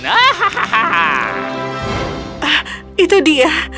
ah itu dia